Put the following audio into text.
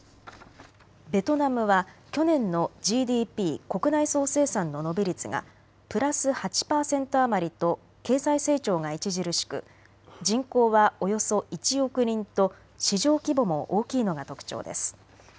ベトナムは去年のＧＤＰ・国内総生産の伸び率がプラス８％余りと経済成長が著しく人口はおよそ１億人と市場規模も大きいのが特徴です。